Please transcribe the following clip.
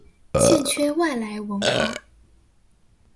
欠缺外來文化